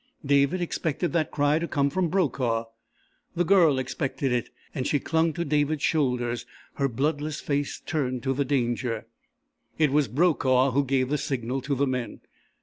David expected that cry to come from Brokaw. The Girl expected it, and she clung to David's shoulders, her bloodless face turned to the danger. It was Brokaw who gave the signal to the men.